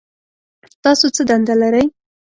تاسو څه دنده لرئ؟